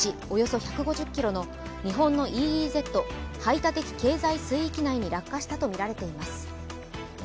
およそ１５０ｋｍの日本のＥＥＺ＝排他的経済水域内に落下したとみられています。